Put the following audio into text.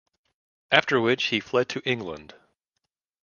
After which he fled to England.